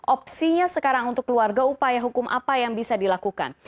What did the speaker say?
opsinya sekarang untuk keluarga upaya hukum apa yang bisa dilakukan